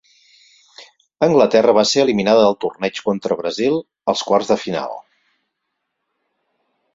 Anglaterra va ser eliminada del torneig contra Brasil, als quarts de final.